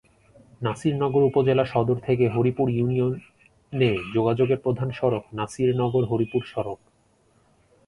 নাসিরনগর উপজেলা সদর থেকে হরিপুর ইউনিয়নে যোগাযোগের প্রধান সড়ক নাসিরনগর-হরিপুর সড়ক।